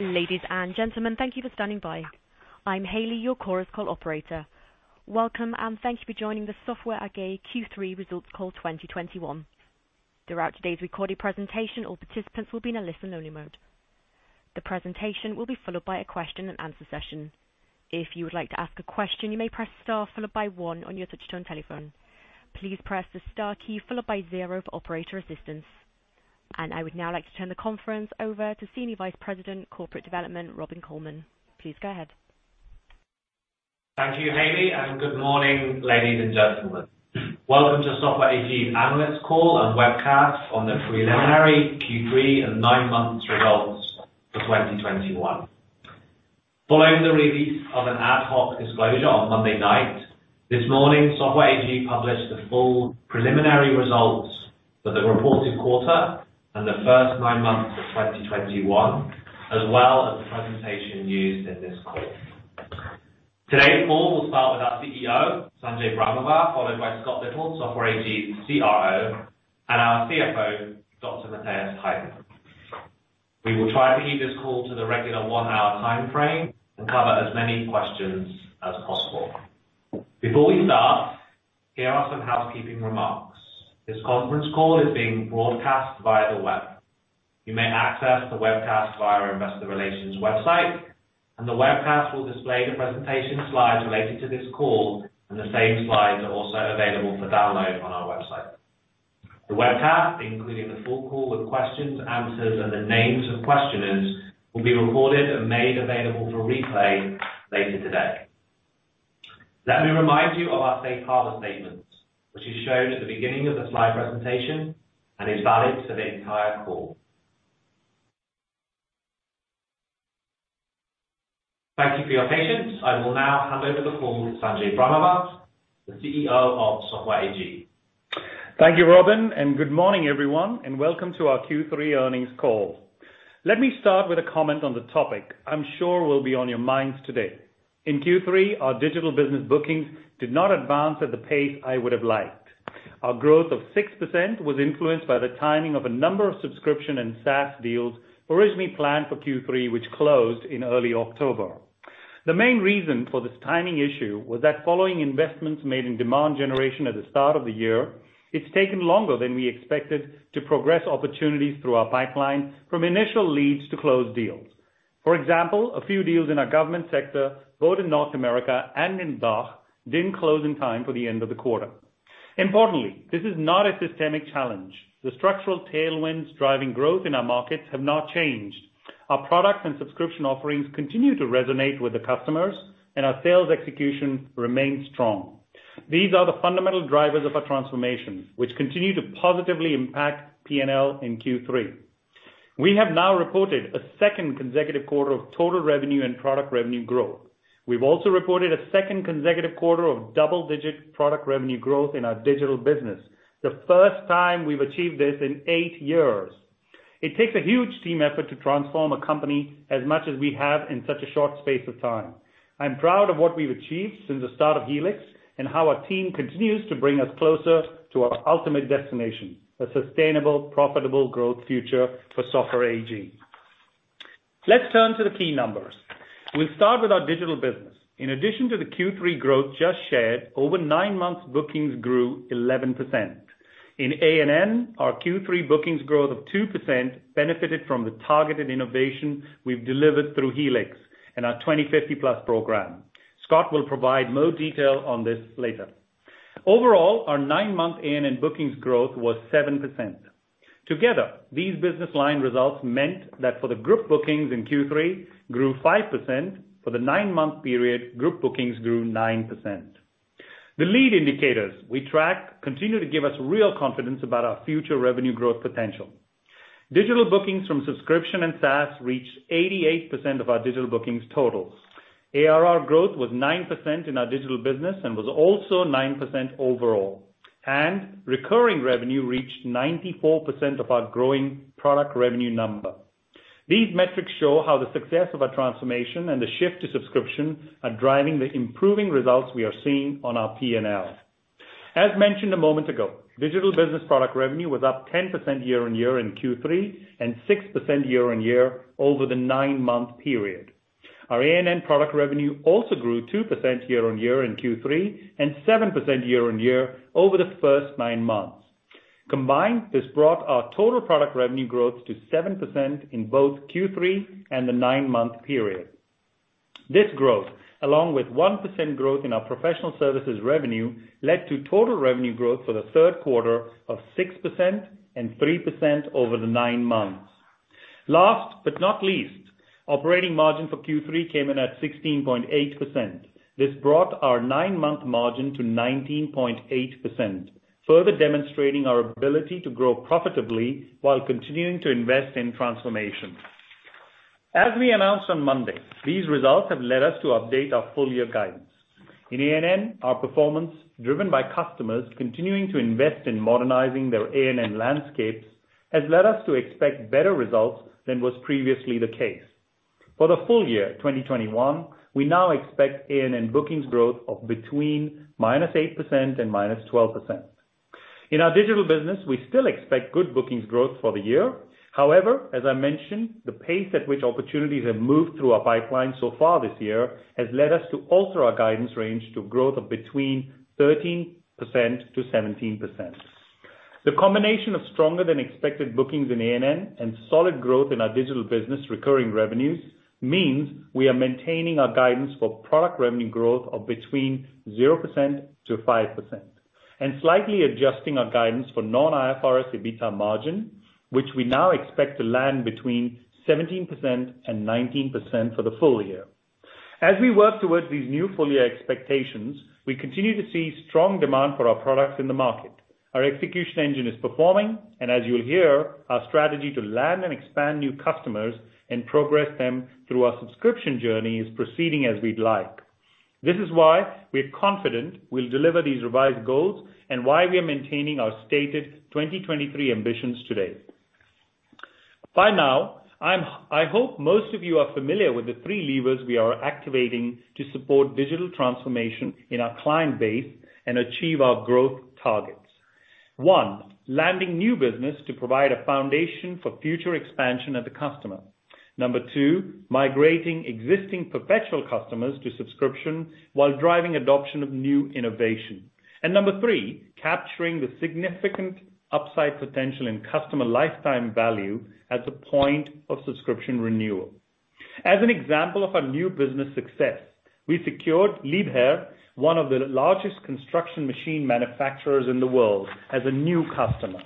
Ladies and gentlemen, thank you for standing by. I'm Hailey, your Chorus Call operator. Welcome, and thank you for joining the Software AG Q3 Results Call 2021. Throughout today's recorded presentation, all participants will be in a listen-only mode. The presentation will be followed by a question and answer session. If you would like to ask a question, you may press star followed by one on your touch-tone telephone. Please press the star key followed by zero for operator assistance. I would now like to turn the conference over to Senior Vice President of Corporate Development, Robin Colman. Please go ahead. Thank you, Hailey, and good morning, ladies and gentlemen. Welcome to Software AG's Analyst Call and Webcast on the Preliminary Q3 and Nine-Months Results for 2021. Following the release of an ad hoc disclosure on Monday night, this morning, Software AG published the full preliminary results for the reported quarter and the first nine months of 2021, as well as the presentation used in this call. Today's call will start with our CEO, Sanjay Brahmawar, followed by Scott Little, Software AG's CRO, and our CFO, Dr Matthias Heiden. We will try to keep this call to the regular one hour timeframe and cover as many questions as possible. Before we start, here are some housekeeping remarks. This conference call is being broadcast via the web. You may access the webcast via our investor relations website, and the webcast will display the presentation slides related to this call, and the same slides are also available for download on our website. The webcast, including the full call with questions, answers, and the names of questioners, will be recorded and made available for replay later today. Let me remind you of our safe harbor statements, which is shown at the beginning of the slide presentation and is valid for the entire call. Thank you for your patience. I will now hand over the call to Sanjay Brahmawar, the CEO of Software AG. Thank you, Robin, good morning, everyone, and welcome to our Q3 earnings call. Let me start with a comment on the topic I'm sure will be on your minds today. In Q3, our digital business bookings did not advance at the pace I would've liked. Our growth of 6% was influenced by the timing of a number of subscription and SaaS deals originally planned for Q3, which closed in early October. The main reason for this timing issue was that following investments made in demand generation at the start of the year, it's taken longer than we expected to progress opportunities through our pipeline from initial leads to closed deals. For example, a few deals in our government sector, both in North America and in DACH, didn't close in time for the end of the quarter. Importantly, this is not a systemic challenge. The structural tailwinds driving growth in our markets have not changed. Our product and subscription offerings continue to resonate with the customers, and our sales execution remains strong. These are the fundamental drivers of our transformation, which continue to positively impact P&L in Q3. We have now reported a second consecutive quarter of total revenue and product revenue growth. We've also reported a second consecutive quarter of double-digit product revenue growth in our digital business, the first time we've achieved this in eight years. It takes a huge team effort to transform a company as much as we have in such a short space of time. I'm proud of what we've achieved since the start of Helix and how our team continues to bring us closer to our ultimate destination, a sustainable, profitable growth future for Software AG. Let's turn to the key numbers. We'll start with our digital business. In addition to the Q3 growth just shared, over nine-months, bookings grew 11%. In A&N, our Q3 bookings growth of 2% benefited from the targeted innovation we've delivered through Helix and our 2050+ Program. Scott will provide more detail on this later. Overall, our nine-month A&N bookings growth was 7%. Together, these business line results meant that for the group bookings in Q3 grew 5%. For the nine-month period, group bookings grew 9%. The lead indicators we track continue to give us real confidence about our future revenue growth potential. Digital bookings from subscription and SaaS reached 88% of our digital bookings total. ARR growth was 9% in our digital business and was also 9% overall, and recurring revenue reached 94% of our growing product revenue number. These metrics show how the success of our transformation and the shift to subscription are driving the improving results we are seeing on our P&L. As mentioned a moment ago, digital business product revenue was up 10% year-on-year in Q3 and 6% year-on-year over the nine-month period. Our A&N product revenue also grew 2% year-on-year in Q3 and 7% year-on-year over the first nine-months. Combined, this brought our total product revenue growth to 7% in both Q3 and the nine-month period. This growth, along with 1% growth in our professional services revenue, led to total revenue growth for the third quarter of 6% and 3% over the nine months. Last but not least, operating margin for Q3 came in at 16.8%. This brought our nine-month margin to 19.8%, further demonstrating our ability to grow profitably while continuing to invest in transformation. As we announced on Monday, these results have led us to update our full-year guidance. In A&N, our performance, driven by customers continuing to invest in modernizing their A&N landscapes, has led us to expect better results than was previously the case. For the full year 2021, we now expect A&N bookings growth of between -8% and -12%. In our digital business, we still expect good bookings growth for the year. However, as I mentioned, the pace at which opportunities have moved through our pipeline so far this year has led us to alter our guidance range to growth of between 13% - 17%. The combination of stronger than expected bookings in A&N and solid growth in our digital business recurring revenues means we are maintaining our guidance for product revenue growth of between 0% - 5%, and slightly adjusting our guidance for non-IFRS EBITA margin, which we now expect to land between 17% and 19% for the full year. As we work towards these new full year expectations, we continue to see strong demand for our products in the market. Our execution engine is performing, and as you'll hear, our strategy to land and expand new customers and progress them through our subscription journey is proceeding as we'd like. This is why we're confident we'll deliver these revised goals and why we're maintaining our stated 2023 ambitions today. By now, I hope most of you are familiar with the three levers we are activating to support digital transformation in our client base and achieve our growth targets. One, landing new business to provide a foundation for future expansion of the customer. Two, migrating existing perpetual customers to subscription while driving adoption of new innovation. Three, capturing the significant upside potential in customer lifetime value at the point of subscription renewal. As an example of our new business success, we secured Liebherr, one of the largest construction machine manufacturers in the world, as a new customer.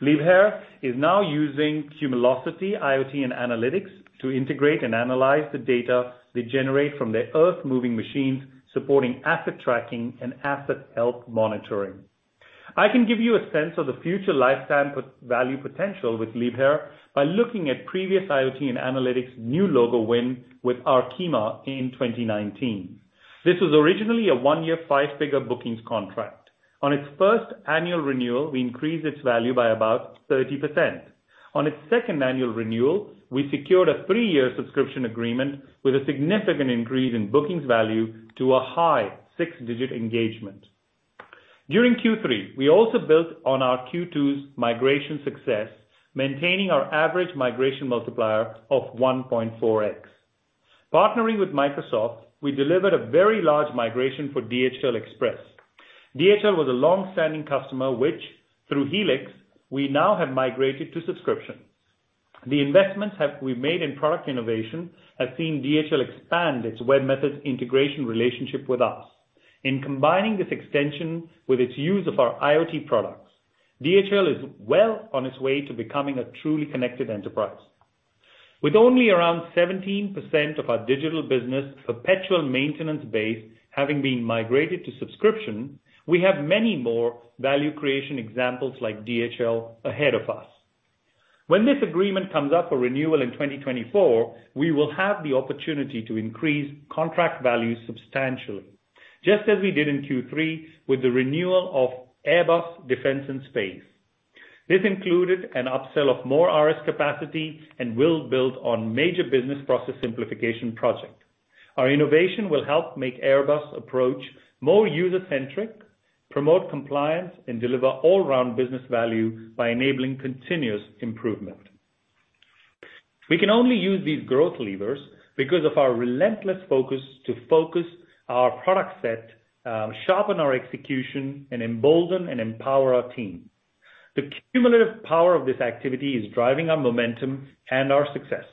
Liebherr is now using Cumulocity IoT and analytics to integrate and analyze the data they generate from their earth-moving machines, supporting asset tracking and asset health monitoring. I can give you a sense of the future lifetime value potential with Liebherr by looking at previous IoT and analytics new logo win with Arkema in 2019. This was originally a one year, five figure bookings contract. On its first annual renewal, we increased its value by about 30%. On its second annual renewal, we secured a three year subscription agreement with a significant increase in bookings value to a high six digit engagement. During Q3, we also built on our Q2's migration success, maintaining our average migration multiplier of 1.4x. Partnering with Microsoft, we delivered a very large migration for DHL Express. DHL was a long-standing customer, which, through Helix, we now have migrated to subscription. The investments that we've made in product innovation have seen DHL expand its webMethods integration relationship with us. In combining this extension with its use of our IoT products, DHL is well on its way to becoming a truly connected enterprise. With only around 17% of our digital business perpetual maintenance base having been migrated to subscription, we have many more value creation examples like DHL ahead of us. When this agreement comes up for renewal in 2024, we will have the opportunity to increase contract value substantially, just as we did in Q3 with the renewal of Airbus Defence and Space. This included an upsell of more ARIS capacity and will build on major business process simplification project. Our innovation will help make Airbus approach more user-centric, promote compliance, and deliver all-round business value by enabling continuous improvement. We can only use these growth levers because of our relentless focus to focus our product set, sharpen our execution, and embolden and empower our team. The cumulative power of this activity is driving our momentum and our success.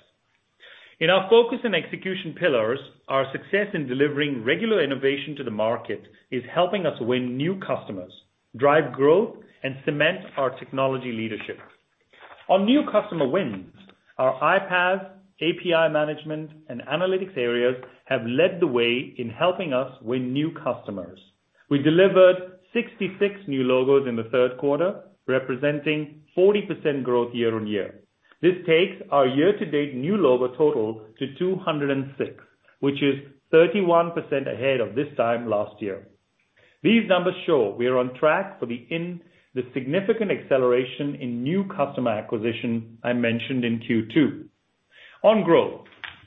In our focus and execution pillars, our success in delivering regular innovation to the market is helping us win new customers, drive growth, and cement our technology leadership. On new customer wins, our iPaaS, API management, and Analytics areas have led the way in helping us win new customers. We delivered 66 new logos in the third quarter, representing 40% growth year-on-year. This takes our year-to-date new logo total to 206, which is 31% ahead of this time last year. These numbers show we are on track for the significant acceleration in new customer acquisition I mentioned in Q2. On growth,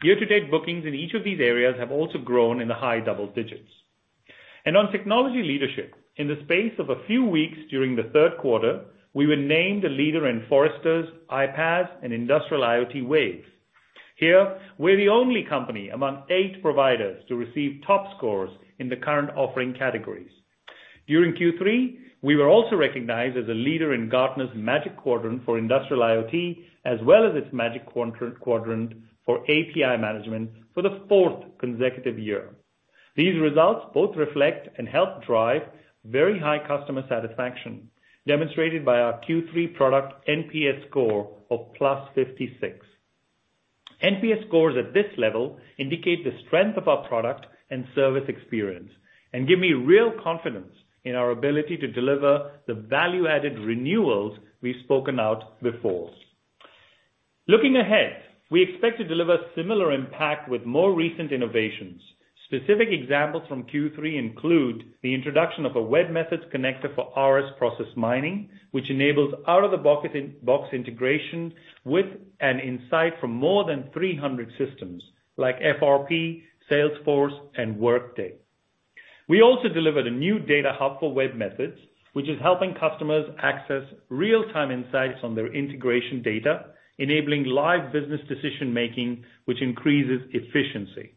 year-to-date bookings in each of these areas have also grown in the high double digits. On technology leadership, in the space of a few weeks during the third quarter, we were named a leader in Forrester's iPaaS and Industrial IoT waves. Here, we're the only company among eight providers to receive top scores in the current offering categories. During Q3, we were also recognized as a leader in Gartner's Magic Quadrant for Industrial IoT, as well as its Magic Quadrant for API Management for the fourth consecutive year. These results both reflect and help drive very high customer satisfaction, demonstrated by our Q3 product NPS score of +56. NPS scores at this level indicate the strength of our product and service experience and give me real confidence in our ability to deliver the value-added renewals we've spoken out before. Looking ahead, we expect to deliver similar impact with more recent innovations. Specific examples from Q3 include the introduction of a webMethods connector for ARIS Process Mining, which enables out-of-the-box integration with an insight from more than 300 systems like ERP, Salesforce, and Workday. We also delivered a new data hub for webMethods, which is helping customers access real-time insights on their integration data, enabling live business decision-making, which increases efficiency.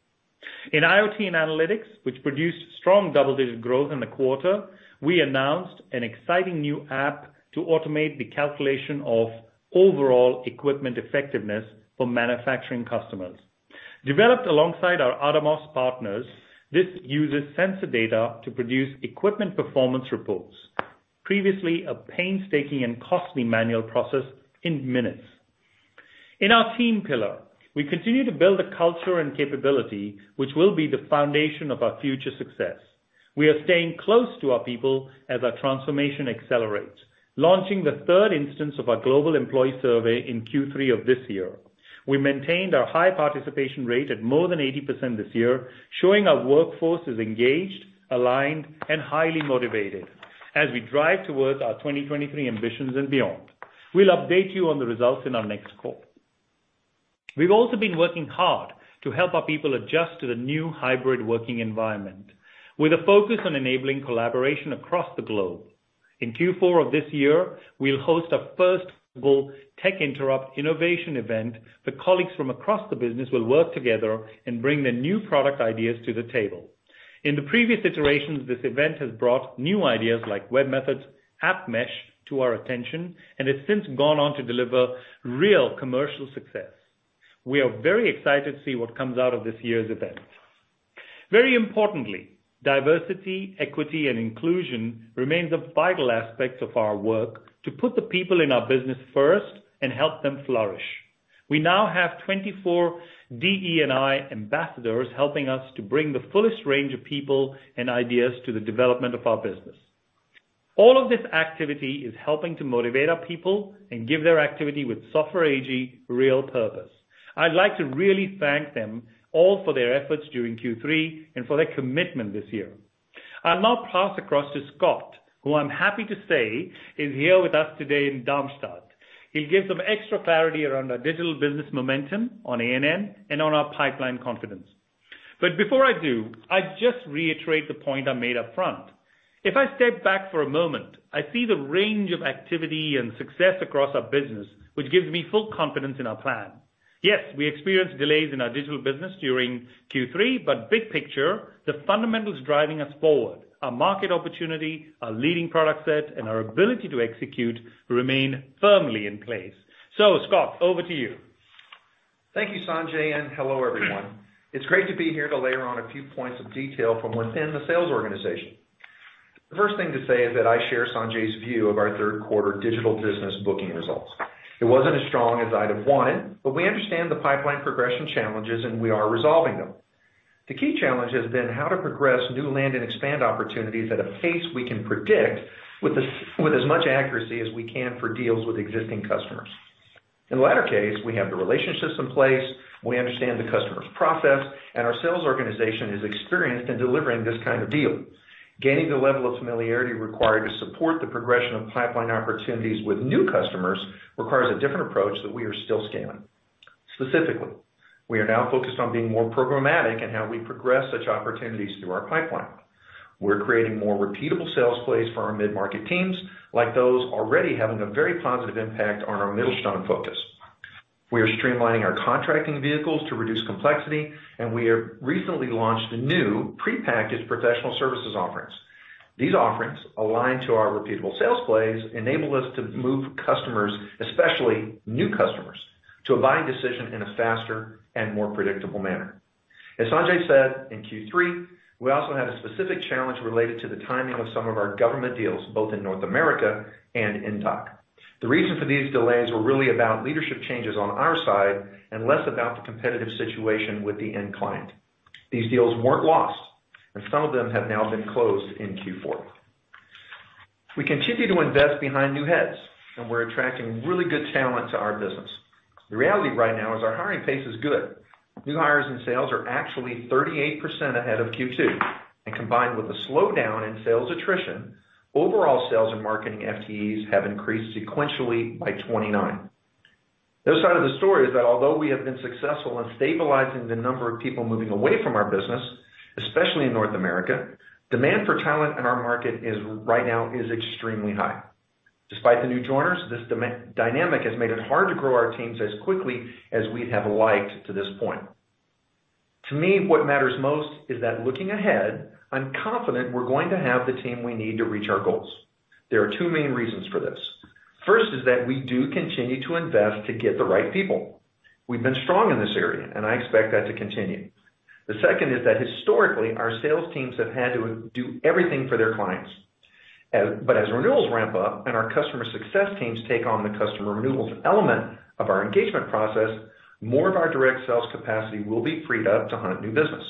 In IoT and analytics, which produced strong double-digit growth in the quarter, we announced an exciting new app to automate the calculation of overall equipment effectiveness for manufacturing customers. Developed alongside our ADAMOS partners, this uses sensor data to produce equipment performance reports, previously a painstaking and costly manual process, in minutes. In our team pillar, we continue to build a culture and capability which will be the foundation of our future success. We are staying close to our people as our transformation accelerates, launching the third instance of our global employee survey in Q3 of this year. We maintained our high participation rate at more than 80% this year, showing our workforce is engaged, aligned, and highly motivated as we drive towards our 2023 ambitions and beyond. We'll update you on the results in our next call. We've also been working hard to help our people adjust to the new hybrid working environment with a focus on enabling collaboration across the globe. In Q4 of this year, we'll host our first global Tech Interrupt innovation event that colleagues from across the business will work together and bring their new product ideas to the table. In the previous iterations, this event has brought new ideas like webMethods AppMesh to our attention, and has since gone on to deliver real commercial success. We are very excited to see what comes out of this year's event. Very importantly, diversity, equity, and inclusion remains a vital aspect of our work to put the people in our business first and help them flourish. We now have 24 DE&I ambassadors helping us to bring the fullest range of people and ideas to the development of our business. All of this activity is helping to motivate our people and give their activity with Software AG real purpose. I'd like to really thank them all for their efforts during Q3 and for their commitment this year. I'll now pass across to Scott, who I'm happy to say is here with us today in Darmstadt. He'll give some extra clarity around our digital business momentum on A&N and on our pipeline confidence. Before I do, I'd just reiterate the point I made up front. If I step back for a moment, I see the range of activity and success across our business, which gives me full confidence in our plan. Yes, we experienced delays in our Digital Business during Q3, big picture, the fundamentals driving us forward, our market opportunity, our leading product set, and our ability to execute remain firmly in place. Scott, over to you. Thank you, Sanjay, and hello, everyone. It is great to be here to layer on a few points of detail from within the sales organization. The first thing to say is that I share Sanjay's view of our third quarter digital business booking results. It was not as strong as I would have wanted, but we understand the pipeline progression challenges, and we are resolving them. The key challenge has been how to progress new land and expand opportunities at a pace we can predict with as much accuracy as we can for deals with existing customers. In the latter case, we have the relationships in place, we understand the customer's process, and our sales organization is experienced in delivering this kind of deal. Gaining the level of familiarity required to support the progression of pipeline opportunities with new customers requires a different approach that we are still scaling. Specifically, we are now focused on being more programmatic in how we progress such opportunities through our pipeline. We're creating more repeatable sales plays for our mid-market teams, like those already having a very positive impact on our Mittelstand focus. We are streamlining our contracting vehicles to reduce complexity. We have recently launched a new prepackaged professional services offerings. These offerings, aligned to our repeatable sales plays, enable us to move customers, especially new customers, to a buying decision in a faster and more predictable manner. As Sanjay said, in Q3, we also had a specific challenge related to the timing of some of our government deals, both in North America and in DACH. The reason for these delays were really about leadership changes on our side and less about the competitive situation with the end client. These deals weren't lost, and some of them have now been closed in Q4. We continue to invest behind new heads, and we're attracting really good talent to our business. The reality right now is our hiring pace is good. New hires in sales are actually 38% ahead of Q2, and combined with a slowdown in sales attrition, overall sales and marketing FTEs have increased sequentially by 29. The other side of the story is that although we have been successful in stabilizing the number of people moving away from our business, especially in North America, demand for talent in our market right now is extremely high. Despite the new joiners, this dynamic has made it hard to grow our teams as quickly as we'd have liked to this point. To me, what matters most is that looking ahead, I'm confident we're going to have the team we need to reach our goals. There are two main reasons for this. First is that we do continue to invest to get the right people. We've been strong in this area, and I expect that to continue. The second is that historically, our sales teams have had to do everything for their clients. As renewals ramp up and our customer success teams take on the customer renewals element of our engagement process, more of our direct sales capacity will be freed up to hunt new business.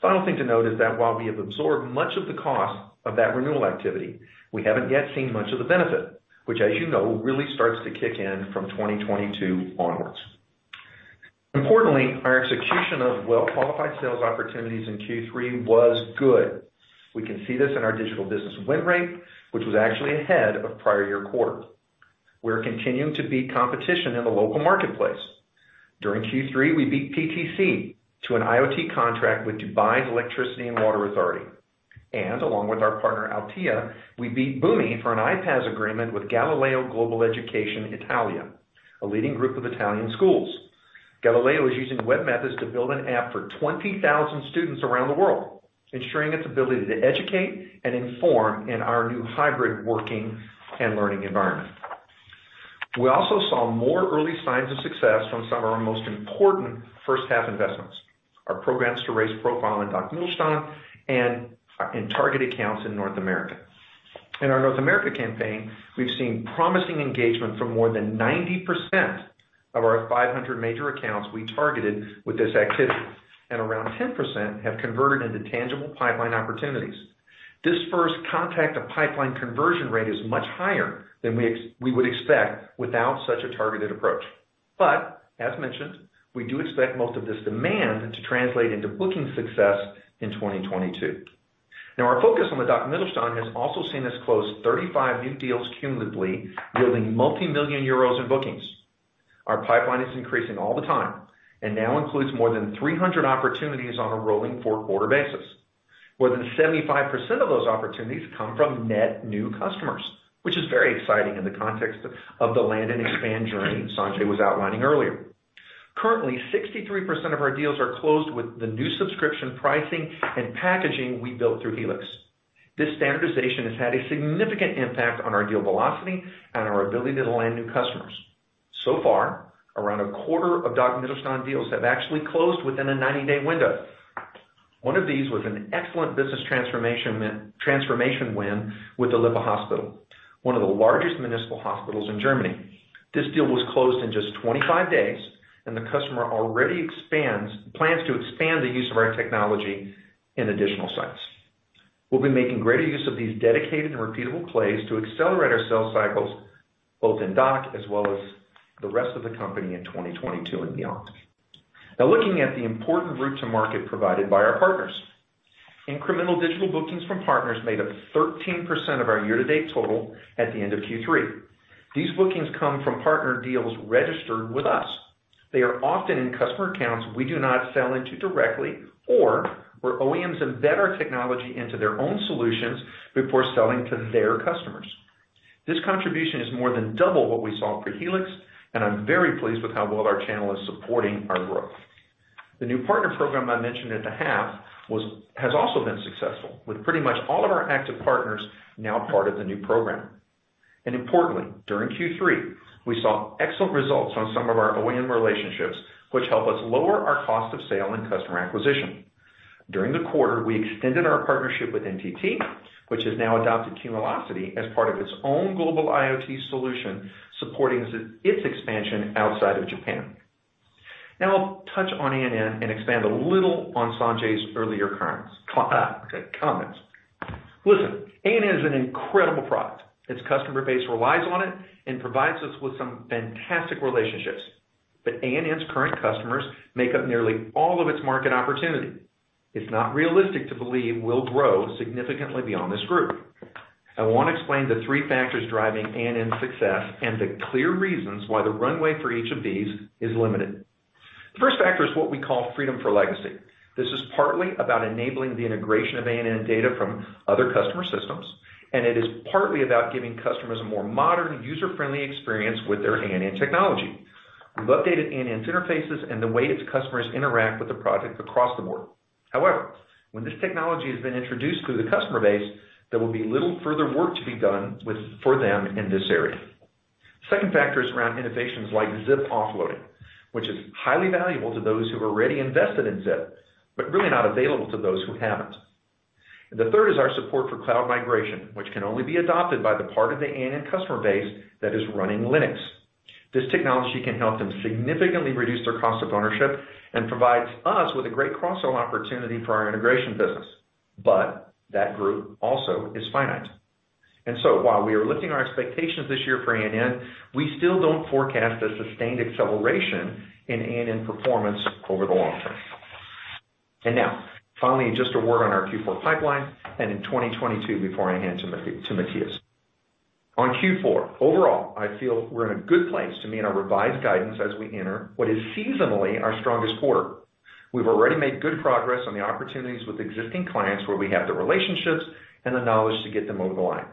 Final thing to note is that while we have absorbed much of the cost of that renewal activity, we haven't yet seen much of the benefit, which as you know, really starts to kick in from 2022 onwards. Importantly, our execution of well-qualified sales opportunities in Q3 was good. We can see this in our digital business win rate, which was actually ahead of prior year quarter. We're continuing to beat competition in the local marketplace. During Q3, we beat PTC to an IoT contract with Dubai Electricity and Water Authority. Along with our partner, Altea, we beat Boomi for an iPaaS agreement with Galileo Global Education Italia, a leading group of Italian schools. Galileo is using webMethods to build an app for 20,000 students around the world, ensuring its ability to educate and inform in our new hybrid working and learning environment. We also saw more early signs of success from some of our most important first-half investments, our programs to raise profile in DACH Mittelstand and in target accounts in North America. In our North America campaign, we've seen promising engagement from more than 90% of our 500 major accounts we targeted with this activity, and around 10% have converted into tangible pipeline opportunities. This first contact-to-pipeline conversion rate is much higher than we would expect without such a targeted approach. As mentioned, we do expect most of this demand to translate into booking success in 2022. Our focus on the DACH Mittelstand has also seen us close 35 new deals cumulatively yielding multimillion EUR in bookings. Our pipeline is increasing all the time and now includes more than 300 opportunities on a rolling four-quarter basis. More than 75% of those opportunities come from net new customers, which is very exciting in the context of the land and expand journey Sanjay was outlining earlier. Currently, 63% of our deals are closed with the new subscription pricing and packaging we built through Helix. This standardization has had a significant impact on our deal velocity and our ability to land new customers. Far, around a quarter of DACH Mittelstand deals have actually closed within a 90-day window. One of these was an excellent business transformation win with the Klinikum Lippe, one of the largest municipal hospitals in Germany. This deal was closed in just 25 days, the customer already plans to expand the use of our technology in additional sites. We'll be making greater use of these dedicated and repeatable plays to accelerate our sales cycles, both in DACH as well as the rest of the company in 2022 and beyond. Looking at the important route to market provided by our partners. Incremental digital bookings from partners made up 13% of our year-to-date total at the end of Q3. These bookings come from partner deals registered with us. They are often in customer accounts we do not sell into directly, or where OEMs embed our technology into their own solutions before selling to their customers. This contribution is more than double what we saw for Helix. I'm very pleased with how well our channel is supporting our growth. The new partner program I mentioned at the half has also been successful with pretty much all of our active partners now part of the new program. Importantly, during Q3, we saw excellent results on some of our OEM relationships, which help us lower our cost of sale and customer acquisition. During the quarter, we extended our partnership with NTT, which has now adopted Cumulocity as part of its own global IoT solution, supporting its expansion outside of Japan. I'll touch on A&N and expand a little on Sanjay's earlier comments. Listen, A&N is an incredible product. Its customer base relies on it and provides us with some fantastic relationships. A&N's current customers make up nearly all of its market opportunity. It's not realistic to believe we'll grow significantly beyond this group. I want to explain the three factors driving A&N's success and the clear reasons why the runway for each of these is limited. The first factor is what we call freedom for legacy. This is partly about enabling the integration of A&N data from other customer systems, and it is partly about giving customers a more modern, user-friendly experience with their A&N technology. We've updated A&N's interfaces and the way its customers interact with the product across the board. When this technology has been introduced to the customer base, there will be little further work to be done for them in this area. Second factor is around innovations like zIIP offloading, which is highly valuable to those who've already invested in zIIP, but really not available to those who haven't. The third is our support for cloud migration, which can only be adopted by the part of the A&N customer base that is running Linux. This technology can help them significantly reduce their cost of ownership and provides us with a great cross-sell opportunity for our integration business. That group also is finite. While we are lifting our expectations this year for A&N, we still don't forecast a sustained acceleration in A&N performance over the long term. Now, finally, just a word on our Q4 pipeline and in 2022 before I hand to Matthias. On Q4, overall, I feel we're in a good place to meet our revised guidance as we enter what is seasonally our strongest quarter. We've already made good progress on the opportunities with existing clients where we have the relationships and the knowledge to get them over the line.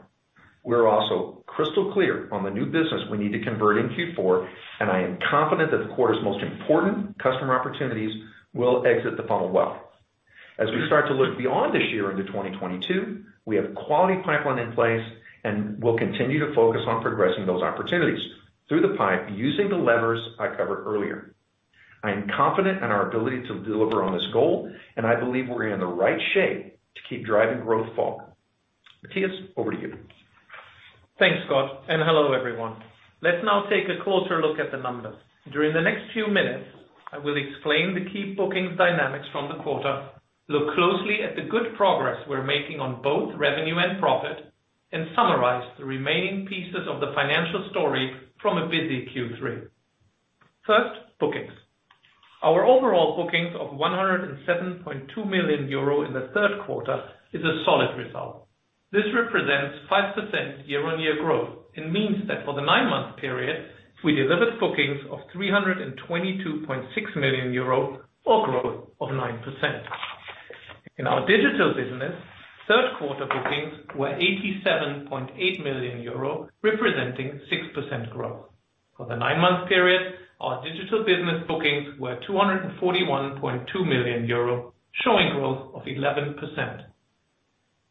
We're also crystal clear on the new business we need to convert in Q4, and I am confident that the quarter's most important customer opportunities will exit the funnel well. As we start to look beyond this year into 2022, we have quality pipeline in place, and we'll continue to focus on progressing those opportunities through the pipe using the levers I covered earlier. I am confident in our ability to deliver on this goal, and I believe we're in the right shape to keep driving growth forward. Matthias, over to you. Thanks, Scott, and hello, everyone. Let's now take a closer look at the numbers. During the next few minutes, I will explain the key bookings dynamics from the quarter, look closely at the good progress we're making on both revenue and profit, and summarize the remaining pieces of the financial story from a busy Q3. First, bookings. Our overall bookings of 107.2 million euro in the third quarter is a solid result. This represents 5% year-on-year growth and means that for the nine-month period, we delivered bookings of 322.6 million euro or growth of 9%. In our Digital Business, third quarter bookings were 87.8 million euro, representing 6% growth. For the nine-month period, our Digital Business bookings were 241.2 million euro, showing growth of 11%.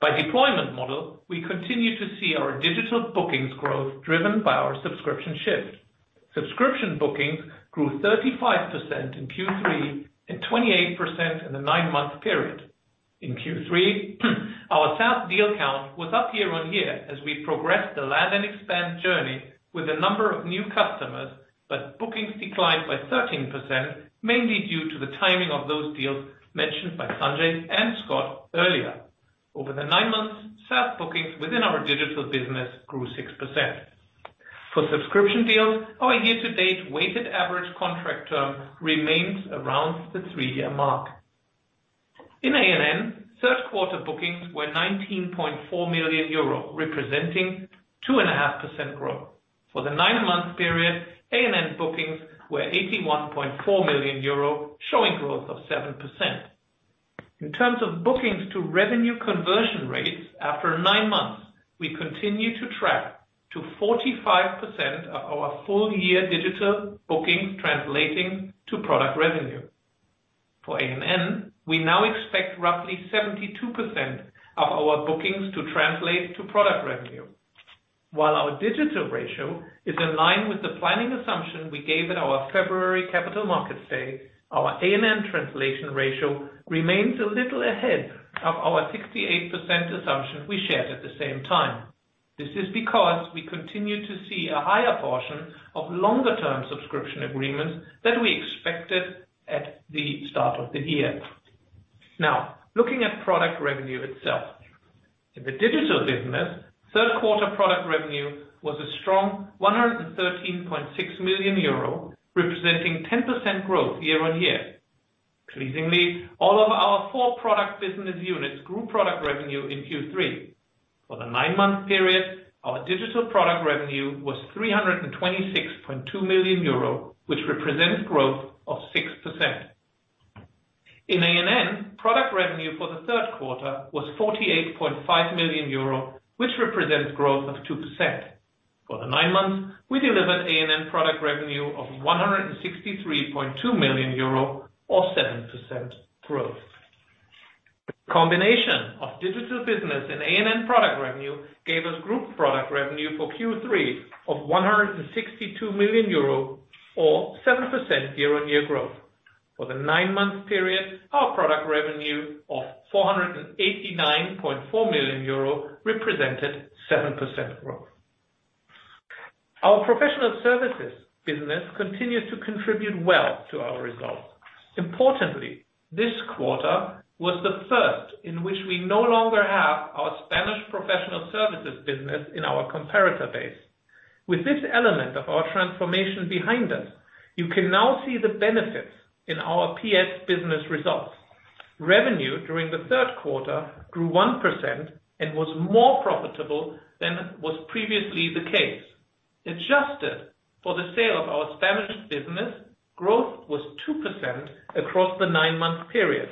By deployment model, we continue to see our Digital bookings growth driven by our subscription shift. Subscription bookings grew 35% in Q3 and 28% in the nine-month period. In Q3, our SaaS deal count was up year-on-year as we progressed the land and expand journey with a number of new customers. Bookings declined by 13%, mainly due to the timing of those deals mentioned by Sanjay and Scott earlier. Over the nine-months, SaaS bookings within our digital business grew 6%. For subscription deals, our year-to-date weighted average contract term remains around the three-year mark. In A&N, third quarter bookings were 19.4 million euro, representing 2.5% growth. For the nine-month period, A&N bookings were 81.4 million euro, showing growth of 7%. In terms of bookings to revenue conversion rates after nine-months, we continue to track to 45% of our full year digital bookings translating to product revenue. For A&N, we now expect roughly 72% of our bookings to translate to product revenue. While our Digital ratio is in line with the planning assumption we gave at our February Capital Markets Day, our A&N translation ratio remains a little ahead of our 68% assumption we shared at the same time. This is because we continue to see a higher portion of longer-term subscription agreements than we expected at the start of the year. Now, looking at product revenue itself. In the Digital Business, third quarter product revenue was a strong 113.6 million euro, representing 10% growth year-over-year. Pleasingly, all of our four product business units grew product revenue in Q3. For the nine-month period, our Digital product revenue was 326.2 million euro, which represents growth of 6%. In A&N, product revenue for the third quarter was 48.5 million euro, which represents growth of 2%. For the nine-months, we delivered A&N product revenue of 163.2 million euro or 7% growth. The combination of digital business and A&N product revenue gave us group product revenue for Q3 of 162 million euro or 7% year-on-year growth. For the nine-month period, our product revenue of €489.4 million represented 7% growth. Our professional services business continues to contribute well to our results. Importantly, this quarter was the first in which we no longer have our Spanish professional services business in our comparator base. With this element of our transformation behind us, you can now see the benefits in our PS business results. Revenue during the third quarter grew 1% and was more profitable than was previously the case. Adjusted for the sale of our Spanish business, growth was 2% across the nine-month period.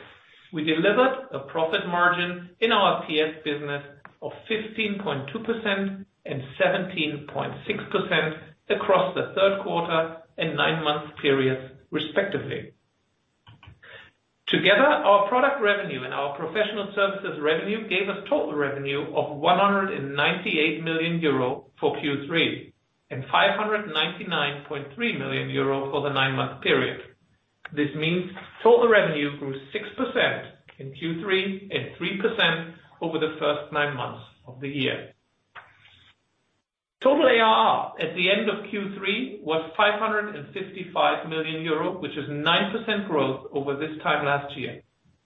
We delivered a profit margin in our PS business of 15.2% and 17.6% across the third quarter and nine-month periods respectively. Together, our product revenue and our professional services revenue gave us total revenue of 198 million euro for Q3 and 599.3 million euro for the nine-month period. This means total revenue grew 6% in Q3 and 3% over the first nine-months of the year. Total ARR at the end of Q3 was 555 million euro, which is 9% growth over this time last year.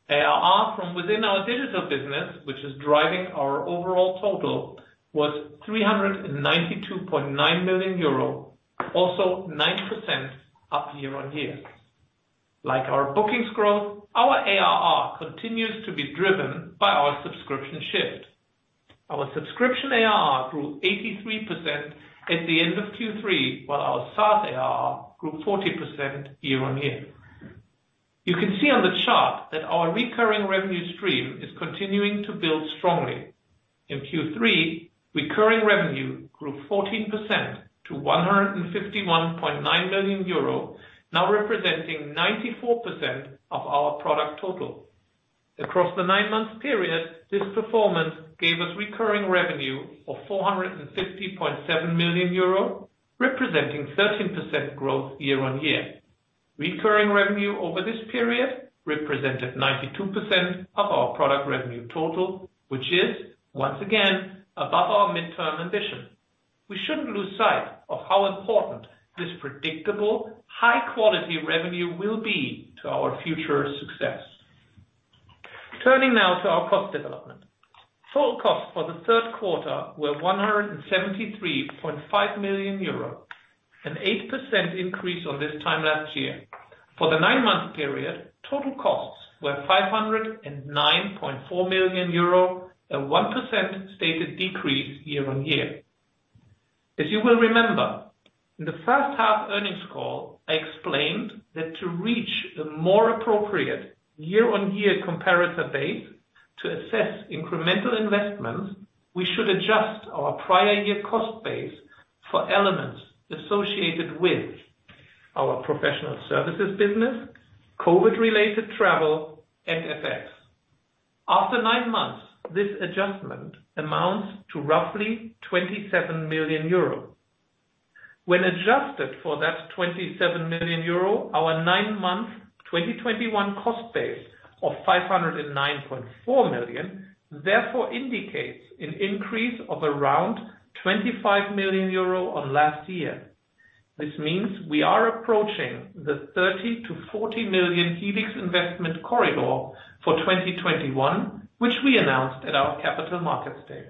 ARR from within our digital business, which is driving our overall total, was 392.9 million euro, also 9% up year-on-year. Like our bookings growth, our ARR continues to be driven by our subscription shift. Our subscription ARR grew 83% at the end of Q3, while our SaaS ARR grew 40% year-on-year. You can see on the chart that our recurring revenue stream is continuing to build strongly. In Q3, recurring revenue grew 14% to 151.9 million euro, now representing 94% of our product total. Across the nine-month period, this performance gave us recurring revenue of 450.7 million euro, representing 13% growth year-over-year. Recurring revenue over this period represented 92% of our product revenue total, which is once again above our midterm ambition. We shouldn't lose sight of how important this predictable, high-quality revenue will be to our future success. Turning now to our cost development. Total costs for the third quarter were 173.5 million euro, an 8% increase on this time last year. For the nine-month period, total costs were 509.4 million euro, a 1% stated decrease year-over-year. As you will remember, in the first half earnings call, I explained that to reach a more appropriate year-over-year comparator base to assess incremental investments, we should adjust our prior year cost base for elements associated with our professional services business, COVID-related travel, and FX. After nine-months, this adjustment amounts to roughly 27 million euro. When adjusted for that 27 million euro, our nine-month 2021 cost base of 509.4 million therefore indicates an increase of around 25 million euro on last year. This means we are approaching the 30 million-40 million Helix investment corridor for 2021, which we announced at our Capital Markets Day.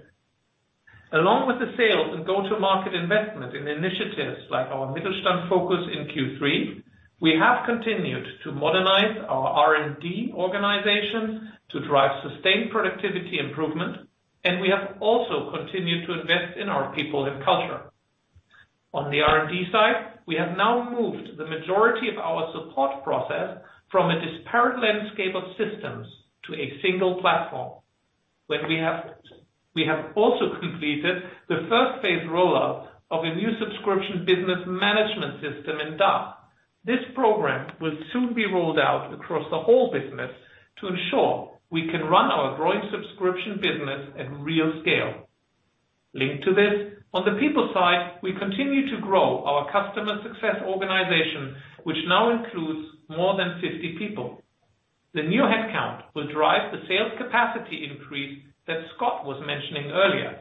Along with the sales and go-to-market investment in initiatives like our Mittelstand focus in Q3, we have continued to modernize our R&D organization to drive sustained productivity improvement, and we have also continued to invest in our people and culture. On the R&D side, we have now moved the majority of our support process from a disparate landscape of systems to a single platform. We have also completed the first phase rollout of a new subscription business management system in DACH. This program will soon be rolled out across the whole business to ensure we can run our growing subscription business at real scale. Linked to this, on the people side, we continue to grow our customer success organization, which now includes more than 50 people. The new headcount will drive the sales capacity increase that Scott was mentioning earlier.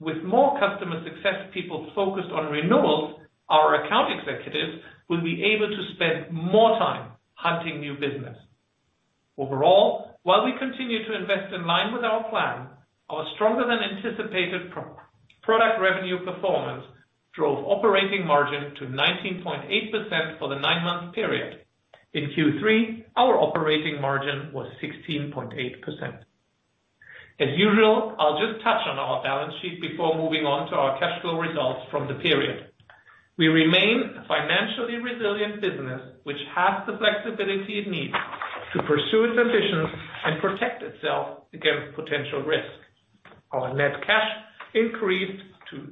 With more customer success people focused on renewals, our account executives will be able to spend more time hunting new business. Overall, while we continue to invest in line with our plan, our stronger than anticipated product revenue performance drove operating margin to 19.8% for the nine-month period. In Q3, our operating margin was 16.8%. As usual, I'll just touch on our balance sheet before moving on to our cash flow results from the period. We remain a financially resilient business, which has the flexibility it needs to pursue its ambitions and protect itself against potential risk. Our net cash increased to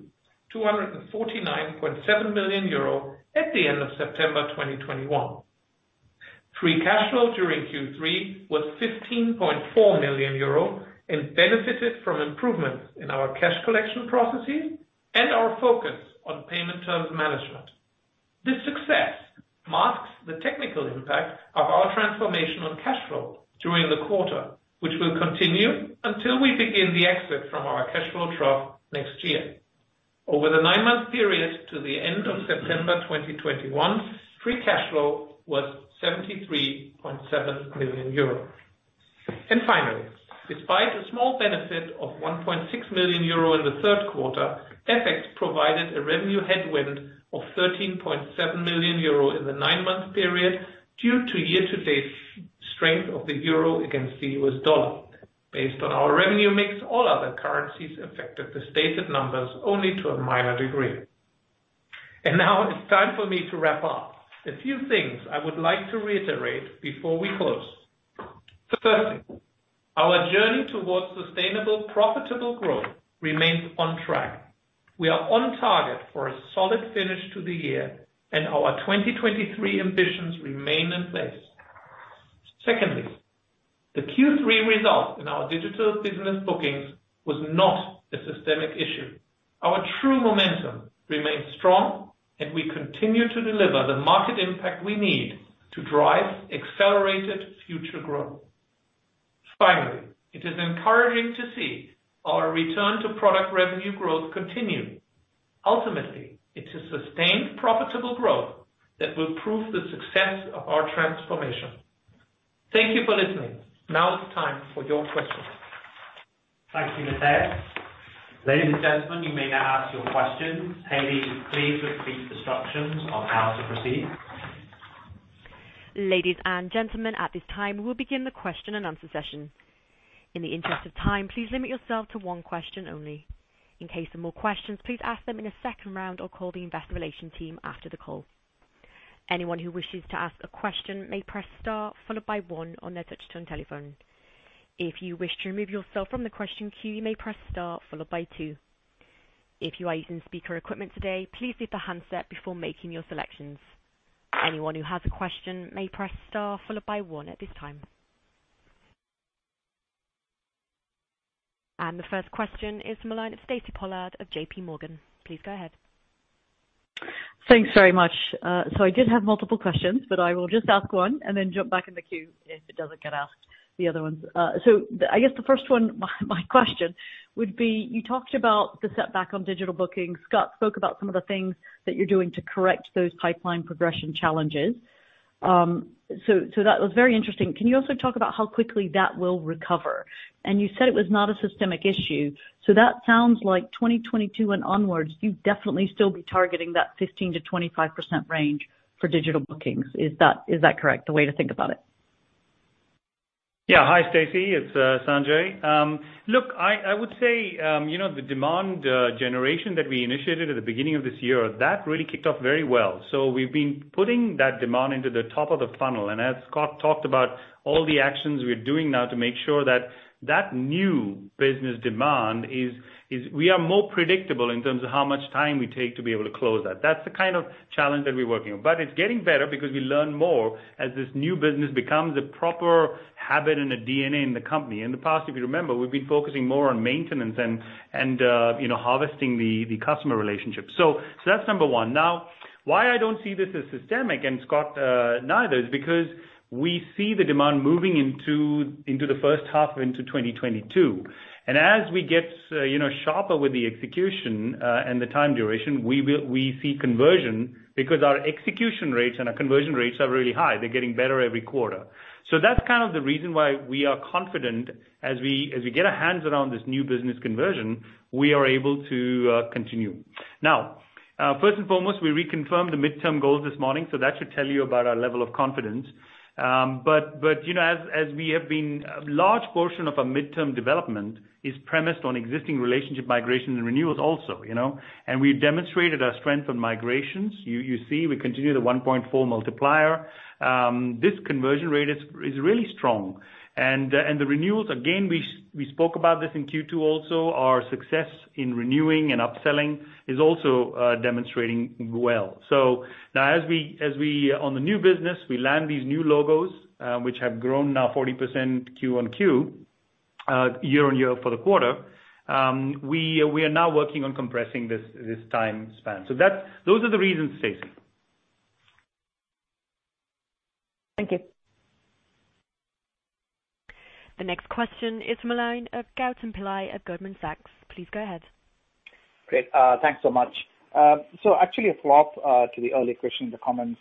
249.7 million euro at the end of September 2021. Free cash flow during Q3 was 15.4 million euro and benefited from improvements in our cash collection processes and our focus on payment terms management. This success marks the technical impact of our transformation on cash flow during the quarter, which will continue until we begin the exit from our cash flow trough next year. Over the nine-month period to the end of September 2021, free cash flow was EUR 73.7 million. Finally, despite a small benefit of 1.6 million euro in the third quarter, FX provided a revenue headwind of 13.7 million euro in the nine-month period due to year-to-date strength of the euro against the US dollar. Based on our revenue mix, all other currencies affected the stated numbers only to a minor degree. Now it's time for me to wrap up. A few things I would like to reiterate before we close. Firstly, our journey towards sustainable, profitable growth remains on track. We are on target for a solid finish to the year, and our 2023 ambitions remain in place. Secondly, the Q3 result in our digital business bookings was not a systemic issue. Our true momentum remains strong, and we continue to deliver the market impact we need to drive accelerated future growth. Finally, it is encouraging to see our return to product revenue growth continue. Ultimately, it is sustained profitable growth that will prove the success of our transformation. Thank you for listening. Now it's time for your questions. Thank you, Matthias. Ladies and gentlemen, you may now ask your questions. Hailey, please repeat the instructions on how to proceed. Ladies and gentlemen, at this time, we'll begin the question and answer session. In the interest of time, please limit yourself to one question only. In case of more questions, please ask them in a second round or call the investor relation team after the call. Anyone who wishes to ask a question may press star followed by one on their touch-tone telephone. If you wish to remove yourself from the question queue, you may press star followed by two. If you are using speaker equipment today please set the handset before making your selections. Anyone who has a question may press star followed by one at this time. The first question is from the line of Stacy Pollard of J.P. Morgan. Please go ahead. Thanks very much. I did have multiple questions, but I will just ask one and then jump back in the queue if it doesn't get asked, the other ones. I guess the first one, my question would be, you talked about the setback on digital bookings. Scott spoke about some of the things that you're doing to correct those pipeline progression challenges. That was very interesting. Can you also talk about how quickly that will recover? You said it was not a systemic issue, that sounds like 2022 and onwards, you'd definitely still be targeting that 15% - 25% range for digital bookings. Is that correct, the way to think about it? Yeah. Hi, Stacy. It's Sanjay. Look, I would say, the demand generation that we initiated at the beginning of this year, that really kicked off very well. We've been putting that demand into the top of the funnel. As Scott talked about, all the actions we are doing now to make sure that that new business demand, we are more predictable in terms of how much time we take to be able to close that. That's the kind of challenge that we're working on. It's getting better because we learn more as this new business becomes a proper habit and a DNA in the company. In the past, if you remember, we've been focusing more on maintenance and harvesting the customer relationship. That's number one. Why I don't see this as systemic, and Scott neither, is because we see the demand moving into the first half of into 2022. As we get sharper with the execution and the time duration, we see conversion because our execution rates and our conversion rates are really high. They're getting better every quarter. That's kind of the reason why we are confident. As we get our hands around this new business conversion, we are able to continue. First and foremost, we reconfirmed the midterm goals this morning, so that should tell you about our level of confidence. A large portion of our midterm development is premised on existing relationship migrations and renewals also. We demonstrated our strength on migrations. You see we continue the 1.4 multiplier. This conversion rate is really strong. The renewals, again, we spoke about this in Q2 also. Our success in renewing and upselling is also demonstrating well. Now on the new business, we land these new logos, which have grown now 40% Q-on-Q, year-on-year for the quarter. We are now working on compressing this time span. Those are the reasons, Stacy. Thank you. The next question is from the line of Gautam Pillai of Goldman Sachs. Please go ahead. Great. Thanks so much. Actually a follow-up to the earlier question, the comments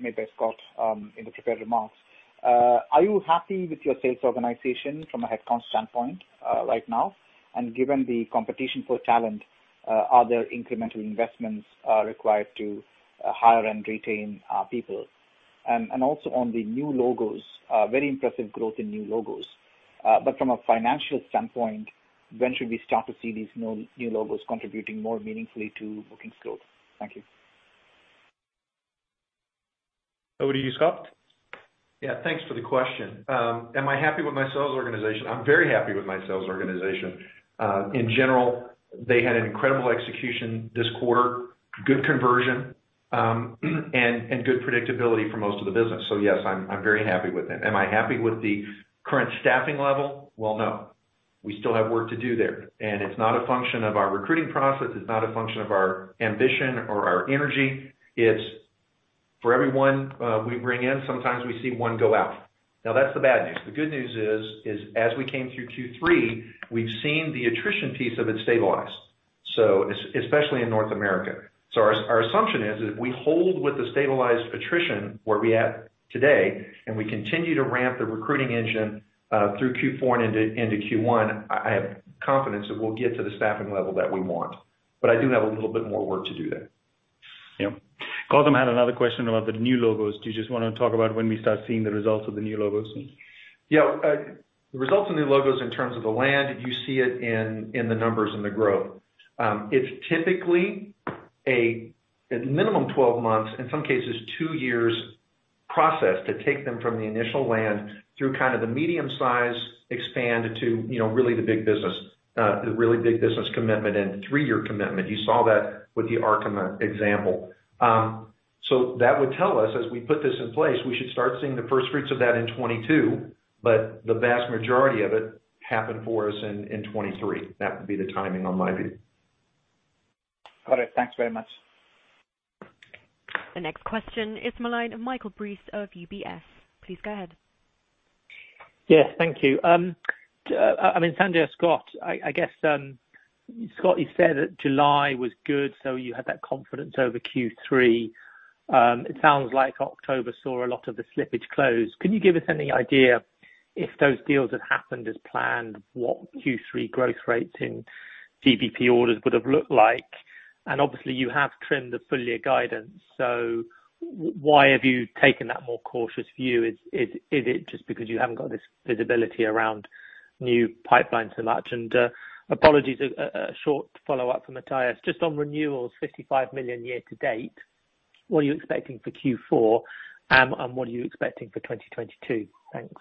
made by Scott in the prepared remarks. Are you happy with your sales organization from a headcount standpoint right now? Given the competition for talent, are there incremental investments required to hire and retain people? Also on the new logos, very impressive growth in new logos. From a financial standpoint, when should we start to see these new logos contributing more meaningfully to bookings growth? Thank you. Over to you, Scott. Yeah. Thanks for the question. Am I happy with my sales organization? I'm very happy with my sales organization. In general, they had an incredible execution this quarter, good conversion, and good predictability for most of the business. Yes, I'm very happy with them. Am I happy with the current staffing level? Well, no. We still have work to do there, and it's not a function of our recruiting process. It's not a function of our ambition or our energy. It's for every one we bring in, sometimes we see one go out. That's the bad news. The good news is, as we came through Q3, we've seen the attrition piece of it stabilize, especially in North America. Our assumption is that if we hold with the stabilized attrition where we at today, and we continue to ramp the recruiting engine through Q4 and into Q1, I have confidence that we'll get to the staffing level that we want. I do have a little bit more work to do there. Yeah. Gautam had another question about the new logos. Do you just want to talk about when we start seeing the results of the new logos? Yeah. The results of new logos in terms of the land, you see it in the numbers in the growth. It's typically a minimum 12 months, in some cases, two years process to take them from the initial land through kind of the medium size expand to really the big business commitment and three-year commitment. You saw that with the Arkema example. That would tell us as we put this in place, we should start seeing the first fruits of that in 2022, but the vast majority of it happen for us in 2023. That would be the timing on my view. Got it. Thanks very much. The next question is from the line of Michael Briest of UBS. Please go ahead. Yes. Thank you. Sanjay or Scott, I guess, Scott, you said that July was good, so you had that confidence over Q3. It sounds like October saw a lot of the slippage close. Can you give us any idea if those deals had happened as planned, what Q3 growth rates in DBP orders would have looked like? Obviously you have trimmed the full year guidance, so why have you taken that more cautious view? Is it just because you haven't got this visibility around new pipeline so much? Apologies, a short follow-up from Matthias. Just on renewals, 55 million year to date, what are you expecting for Q4? What are you expecting for 2022? Thanks.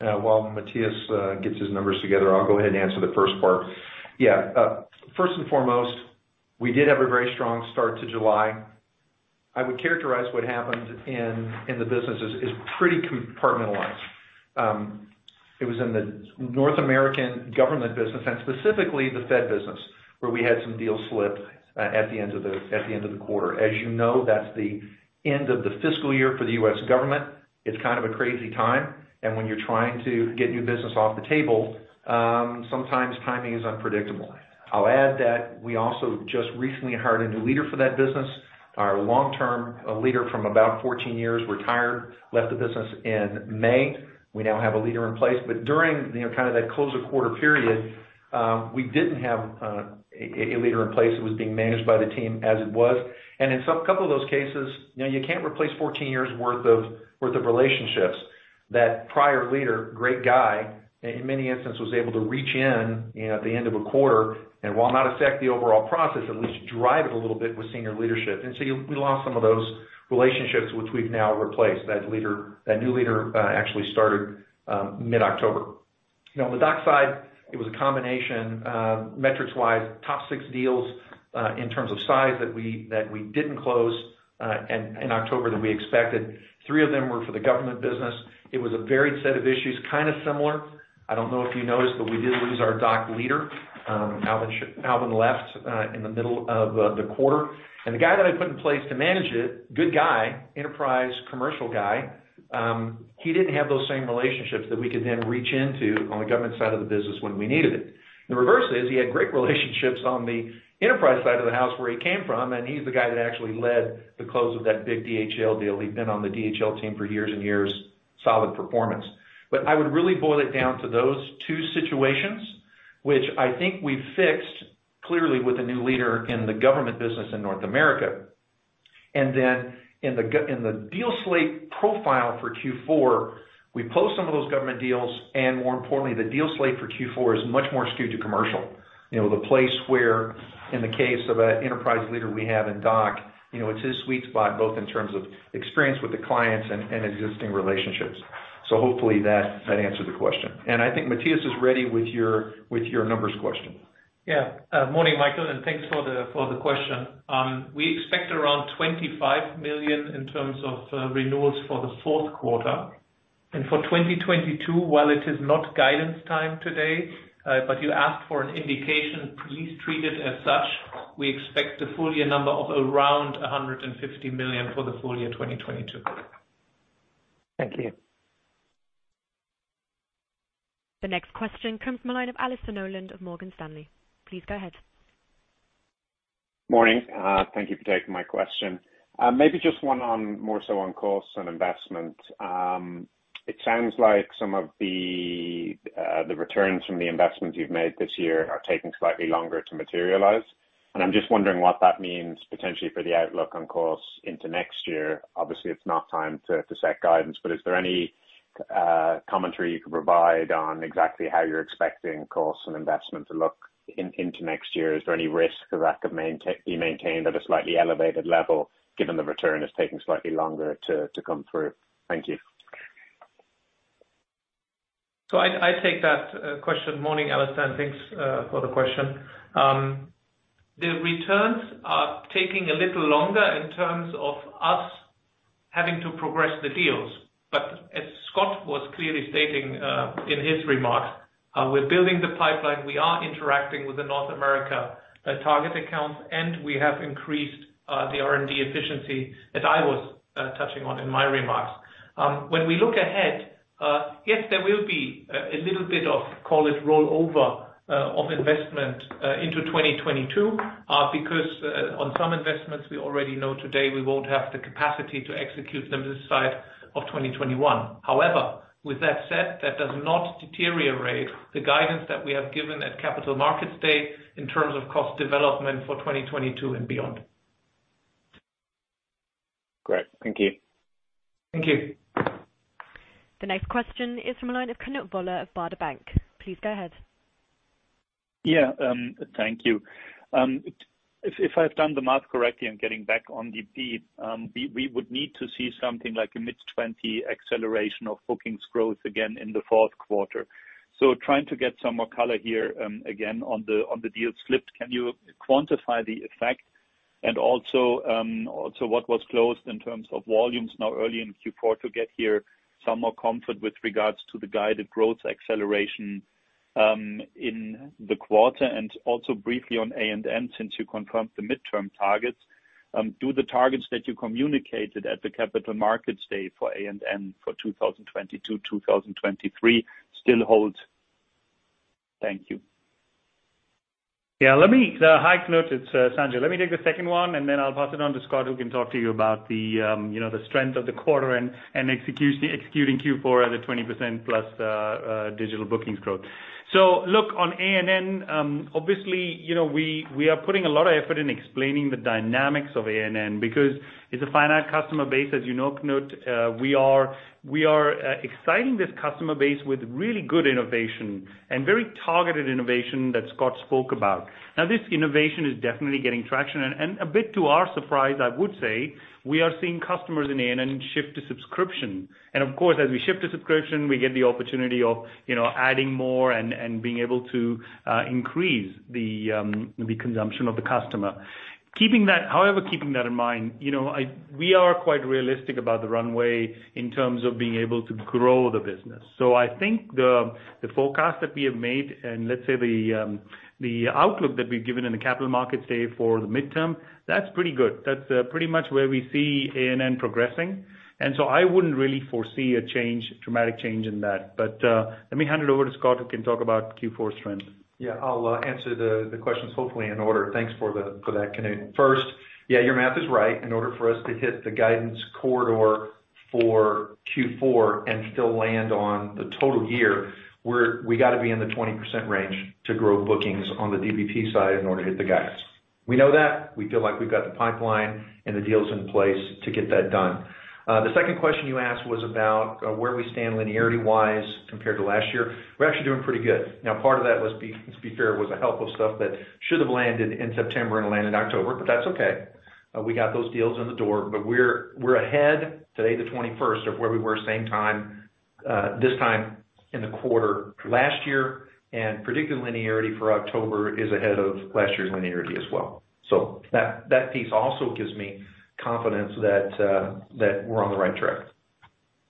While Matthias gets his numbers together, I'll go ahead and answer the first part. Yeah. First and foremost, we did have a very strong start to July. I would characterize what happened in the business as pretty compartmentalized. It was in the North American government business, and specifically the Fed business, where we had some deals slip at the end of the quarter. As you know, that's the end of the fiscal year for the U.S. government. It's kind of a crazy time, and when you're trying to get new business off the table, sometimes timing is unpredictable. I'll add that we've just recently hired a new leader for that business. Our long-term leader from about 14 years retired, left the business in May. We now have a leader in place, but during that close of quarter period, we didn't have a leader in place. It was being managed by the team as it was. In a couple of those cases, you can't replace 14 years worth of relationships. That prior leader, great guy, in many instances, was able to reach in at the end of a quarter, and while not affect the overall process, at least drive it a little bit with senior leadership. We lost some of those relationships, which we've now replaced. That new leader actually started mid-October. On the doc side, it was a combination, metrics-wise, top six deals in terms of size that we didn't close in October that we expected. Three of them were for the government business. It was a varied set of issues, kind of similar. I don't know if you noticed, we did lose our doc leader. Alvin left in the middle of the quarter. The guy that I put in place to manage it, good guy, enterprise commercial guy, he didn't have those same relationships that we could then reach into on the government side of the business when we needed it. The reverse is, he had great relationships on the enterprise side of the house where he came from, and he's the guy that actually led the close of that big DHL deal. He'd been on the DHL team for years and years, solid performance. I would really boil it down to those two situations, which I think we've fixed clearly with a new leader in the government business in North America. Then in the deal slate profile for Q4, we post some of those government deals, and more importantly, the deal slate for Q4 is much more skewed to commercial. The place where, in the case of an enterprise leader we have in doc, it's his sweet spot, both in terms of experience with the clients and existing relationships. Hopefully that answers the question. I think Matthias is ready with your numbers question. Yeah. Morning, Michael, and thanks for the question. We expect around 25 million in terms of renewals for the fourth quarter. For 2022, while it is not guidance time today, but you asked for an indication, please treat it as such. We expect the full year number of around 150 million for the full year 2022. Thank you. The next question comes from the line of Allison Noland of Morgan Stanley. Please go ahead. Morning. Thank you for taking my question. Maybe just one on more so on costs and investment. It sounds like some of the returns from the investments you've made this year are taking slightly longer to materialize, and I'm just wondering what that means potentially for the outlook on costs into next year. Obviously, it's not time to set guidance, but is there any commentary you could provide on exactly how you're expecting costs and investment to look into next year? Is there any risk that could be maintained at a slightly elevated level given the return is taking slightly longer to come through? Thank you. I take that question. Morning, Allison. Thanks for the question. The returns are taking a little longer in terms of us having to progress the deals. As Scott was clearly stating in his remarks, we're building the pipeline, we are interacting with the North America target accounts, and we have increased the R&D efficiency that I was touching on in my remarks. When we look ahead, yes, there will be a little bit of, call it rollover of investment into 2022, because on some investments, we already know today we won't have the capacity to execute them this side of 2021. However, with that said, that does not deteriorate the guidance that we have given at Capital Markets Day in terms of cost development for 2022 and beyond. Great. Thank you. Thank you. The next question is from the line of Knut Woller of Baader Bank. Please go ahead. Yeah. Thank you. If I've done the math correctly on getting back on DBP, we would need to see something like a mid-20% acceleration of bookings growth again in the fourth quarter. Trying to get some more color here again on the deal slipped. Can you quantify the effect and also what was closed in terms of volumes now early in Q4 to get here some more comfort with regards to the guided growth acceleration in the quarter? Also briefly on A&N, since you confirmed the midterm targets, do the targets that you communicated at the Capital Markets Day for A&N for 2022, 2023 still hold? Thank you. Hi, Knut. It's Sanjay. Let me take the second one, and then I'll pass it on to Scott, who can talk to you about the strength of the quarter and executing Q4 at a 20% plus digital bookings growth. Look, on A&N, obviously, we are putting a lot of effort in explaining the dynamics of A&N because it's a finite customer base, as you know, Knut. We are exciting this customer base with really good innovation and very targeted innovation that Scott spoke about. This innovation is definitely getting traction, and a bit to our surprise, I would say, we are seeing customers in A&N shift to subscription. Of course, as we shift to subscription, we get the opportunity of adding more and being able to increase the consumption of the customer. However, keeping that in mind, we are quite realistic about the runway in terms of being able to grow the business. I think the forecast that we have made and let's say the outlook that we've given in the Capital Markets Day for the midterm, that's pretty good. That's pretty much where we see A&N progressing. I wouldn't really foresee a dramatic change in that. Let me hand it over to Scott, who can talk about Q4 trends. I'll answer the questions hopefully in order. Thanks for that, Knut. First, your math is right. In order for us to hit the guidance corridor for Q4 and still land on the total year, we got to be in the 20% range to grow bookings on the DBP side in order to hit the guidance. We know that. We feel like we've got the pipeline and the deals in place to get that done. The second question you asked was about where we stand linearity-wise compared to last year. We're actually doing pretty good. Part of that, let's be fair, was the help of stuff that should have landed in September and landed October, but that's okay. We got those deals in the door. We're ahead, today, the 21st, of where we were same time this time in the quarter last year. Predicted linearity for October is ahead of last year's linearity as well. That piece also gives me confidence that we're on the right track.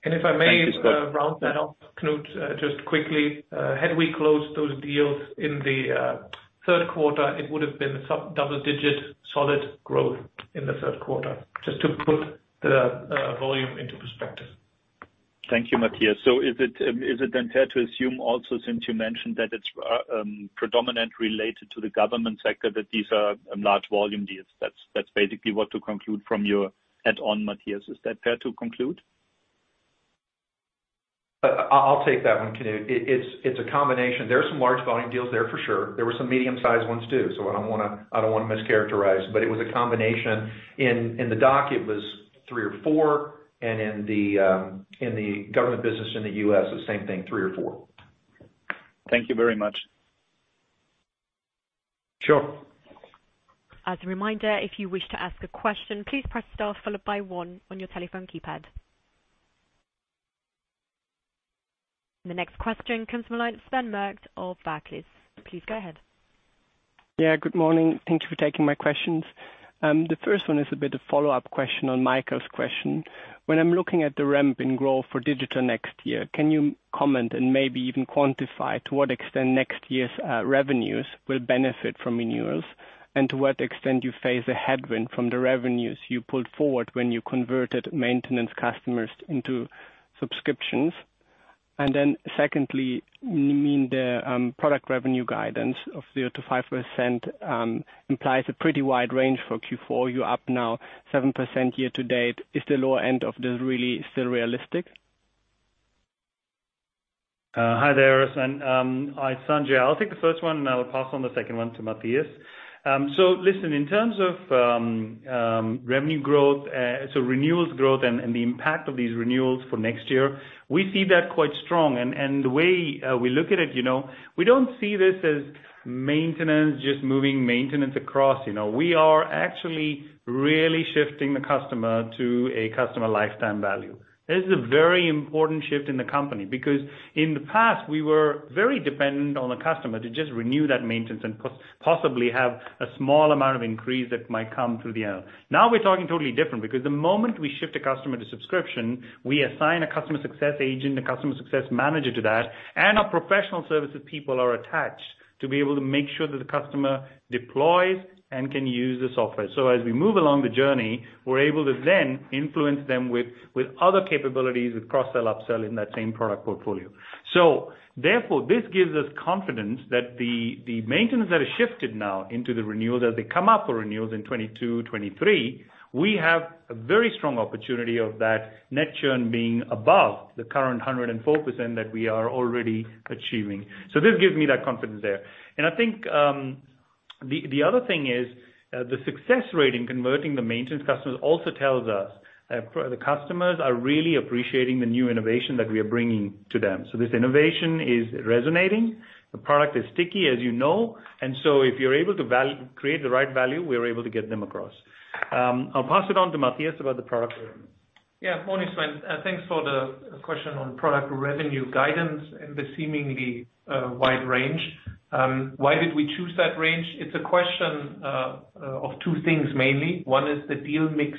And if I may- Thank you, Scott Round that off, Knut, just quickly. Had we closed those deals in the third quarter, it would've been double-digit solid growth in the third quarter, just to put the volume into perspective. Thank you, Matthias. Is it then fair to assume also since you mentioned that it's predominantly related to the government sector, that these are large volume deals? That's basically what to conclude from your add-on, Matthias. Is that fair to conclude? I'll take that one, Knut. It's a combination. There are some large volume deals there, for sure. There were some medium-sized ones, too, so I don't want to mischaracterize, but it was a combination. In the doc, it was three or four, and in the government business in the U.S., the same thing, three or four. Thank you very much. Sure. As a reminder, if you wish to ask a question, please press star followed by one on your telephone keypad. The next question comes from the line of Sven Merkt of Barclays. Please go ahead. Good morning. Thank you for taking my questions. The first one is a bit of follow-up question on Michael's question. When I'm looking at the ramp in growth for digital next year, can you comment and maybe even quantify to what extent next year's revenues will benefit from renewals, and to what extent you face a headwind from the revenues you pulled forward when you converted maintenance customers into subscriptions? Secondly, the product revenue guidance of 0% - 5% implies a pretty wide range for Q4. You're up now 7% year to date. Is the lower end of this really still realistic? Hi there, Sven. It's Sanjay. I'll take the first one, and I will pass on the second one to Matthias. Listen, in terms of revenue growth, so renewals growth and the impact of these renewals for next year, we see that quite strong. The way we look at it, we don't see this as maintenance, just moving maintenance across. We are actually really shifting the customer to a customer lifetime value. This is a very important shift in the company because in the past we were very dependent on a customer to just renew that maintenance and possibly have a small amount of increase that might come through the annual. Now we're talking totally different, because the moment we shift a customer to subscription, we assign a customer success agent, a customer success manager to that, and our professional services people are attached to be able to make sure that the customer deploys and can use the software. As we move along the journey, we're able to then influence them with other capabilities, with cross-sell, up-sell in that same product portfolio. Therefore, this gives us confidence that the maintenance that has shifted now into the renewal, that they come up for renewals in 2022, 2023, we have a very strong opportunity of that net churn being above the current 104% that we are already achieving. This gives me that confidence there. I think the other thing is the success rate in converting the maintenance customers also tells us that the customers are really appreciating the new innovation that we are bringing to them. This innovation is resonating. The product is sticky, as you know. If you're able to create the right value, we are able to get them across. I'll pass it on to Matthias about the product. Morning, Sven. Thanks for the question on product revenue guidance and the seemingly wide range. Why did we choose that range? It's a question of two things mainly. One is the deal mix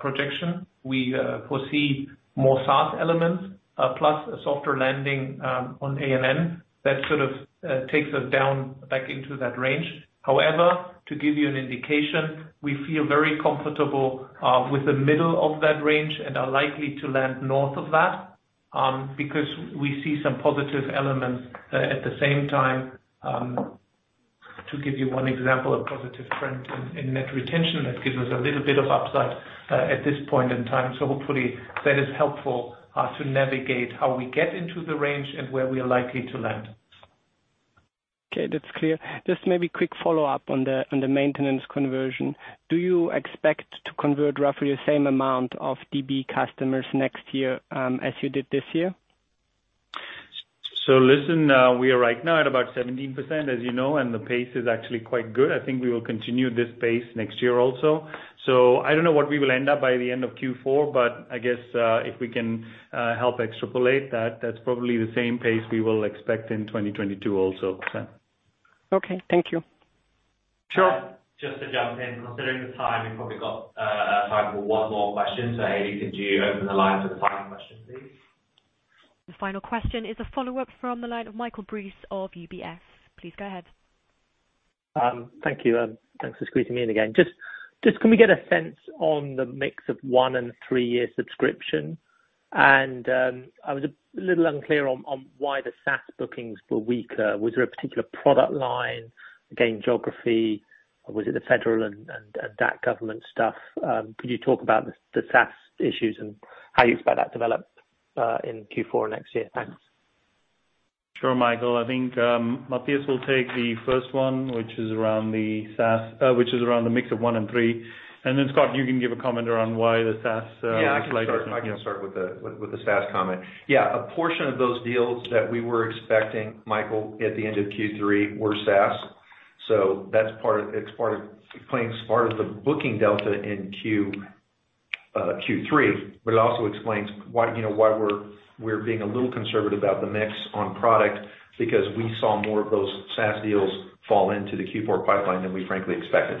projection. We foresee more SaaS elements, plus a softer landing on A&N that sort of takes us down back into that range. To give you an indication, we feel very comfortable with the middle of that range and are likely to land north of that, because we see some positive elements at the same time. To give you one example of positive trends in net retention, that gives us a little bit of upside at this point in time. Hopefully, that is helpful to navigate how we get into the range and where we are likely to land. Okay. That's clear. Just maybe quick follow-up on the maintenance conversion. Do you expect to convert roughly the same amount of DB customers next year as you did this year? Listen, we are right now at about 17%, as you know, and the pace is actually quite good. I think we will continue this pace next year also. I don't know what we will end up by the end of Q4, but I guess if we can help extrapolate that's probably the same pace we will expect in 2022 also, Sven. Okay. Thank you. Sure. Just to jump in, considering the time, we've probably got time for one more question. Haley, could you open the line for the final question, please? The final question is a follow-up from the line of Michael Briest of UBS. Please go ahead. Thank you. Thanks for squeezing me in again. Can we get a sense on the mix of one and three-year subscription? I was a little unclear on why the SaaS bookings were weaker. Was there a particular product line, again, geography? Was it the federal and that government stuff? Could you talk about the SaaS issues and how you expect that to develop in Q4 next year? Thanks. Sure, Michael. I think Matthias will take the first one, which is around the mix of one and three, and then Scott, you can give a comment around why the SaaS is. Yeah I can start with the SaaS comment. Yeah, a portion of those deals that we were expecting, Michael, at the end of Q3, were SaaS. That explains part of the booking delta in Q3. It also explains why we're being a little conservative about the mix on product because we saw more of those SaaS deals fall into the Q4 pipeline than we frankly expected.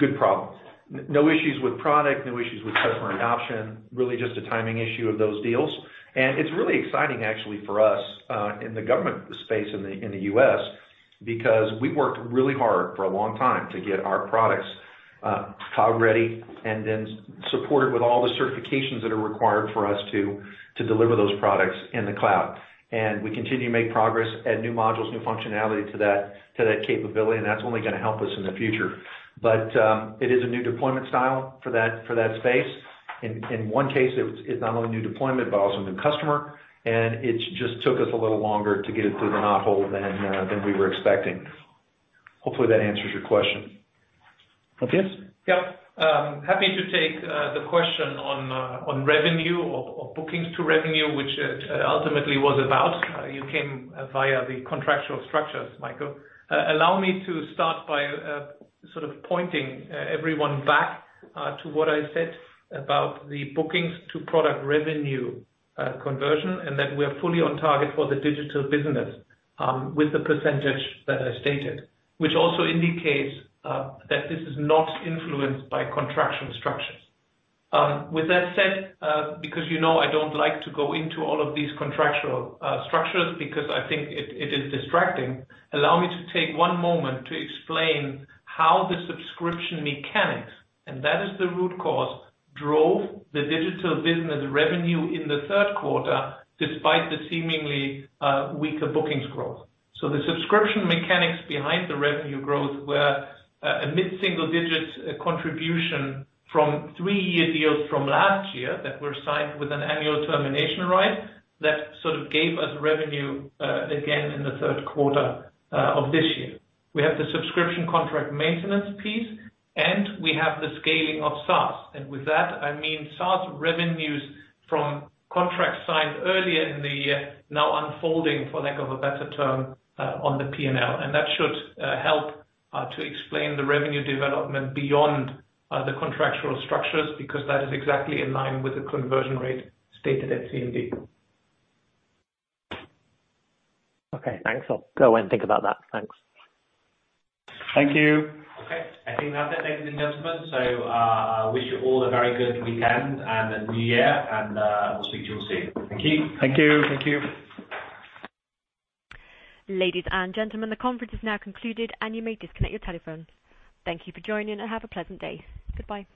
Good problem. No issues with product, no issues with customer adoption, really just a timing issue of those deals. It's really exciting actually for us, in the government space in the U.S., because we worked really hard for a long time to get our products cloud ready and then supported with all the certifications that are required for us to deliver those products in the cloud. We continue to make progress, add new modules, new functionality to that capability, and that's only going to help us in the future. It is a new deployment style for that space. In one case, it's not only a new deployment, but also a new customer, and it just took us a little longer to get it through the knothole than we were expecting. Hopefully, that answers your question. Matthias? Yeah. Happy to take the question on revenue or bookings to revenue, which it ultimately was about. You came via the contractual structures, Michael. Allow me to start by sort of pointing everyone back to what I said about the bookings to product revenue conversion, and that we're fully on target for the digital business with the percentage that I stated, which also indicates that this is not influenced by contractual structures. With that said, because you know I don't like to go into all of these contractual structures because I think it is distracting, allow me to take one moment to explain how the subscription mechanics, and that is the root cause, drove the digital business revenue in the third quarter despite the seemingly weaker bookings growth. The subscription mechanics behind the revenue growth were a mid-single digit contribution from three-year deals from last year that were signed with an annual termination right that sort of gave us revenue again in the third quarter of this year. We have the subscription contract maintenance piece, and we have the scaling of SaaS. With that, I mean SaaS revenues from contracts signed earlier in the year now unfolding, for lack of a better term, on the P&L. That should help to explain the revenue development beyond the contractual structures, because that is exactly in line with the conversion rate stated at CMD. Okay, thanks. I'll go away and think about that. Thanks. Thank you. Okay, I think we have that, ladies and gentlemen. I wish you all a very good weekend and a new year, and we'll speak to you all soon. Thank you. Thank you. Thank you. Ladies and gentlemen, the conference is now concluded and you may disconnect your telephones. Thank you for joining and have a pleasant day. Goodbye.